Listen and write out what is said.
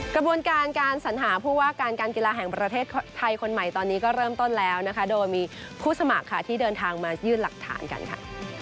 กระบวนการการสัญหาผู้ว่าการการกีฬาแห่งประเทศไทยคนใหม่ตอนนี้ก็เริ่มต้นแล้วนะคะโดยมีผู้สมัครค่ะที่เดินทางมายื่นหลักฐานกันค่ะ